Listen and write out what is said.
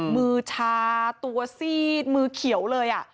มือชาตัวซีดมือเขียวเลย